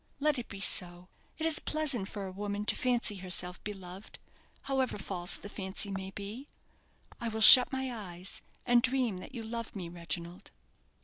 Let it be so. It is pleasant for a woman to fancy herself beloved, however false the fancy may be. I will shut my eyes, and dream that you love me, Reginald."